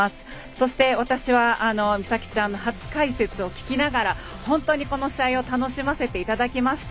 そして、私は美咲ちゃんの初解説を聞きながら本当に、この試合を楽しませていただきました。